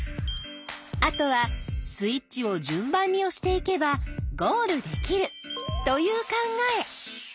あとはスイッチを順番におしていけばゴールできるという考え。